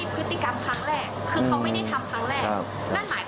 เพราะว่าเด็กไม่ใช่พฤติกรรมครั้งแรก